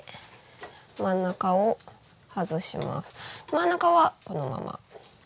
真ん中はこのまま。